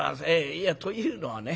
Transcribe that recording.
いやというのはね